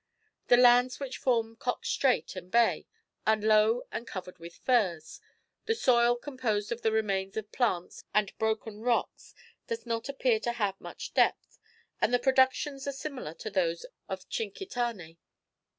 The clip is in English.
The lands which form Cox Strait and Bay are low and covered with firs. The soil, composed of the remains of plants and broken rocks, does not appear to have much depth, and the productions are similar to those of Tchinkitané.